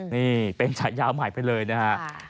นี่เป็นฉายาใหม่ไปเลยนะฮะ